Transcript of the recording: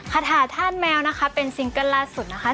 คาถาธาตุแมวนะคะเป็นซิงเกิ้ลล่าสุดนะคะ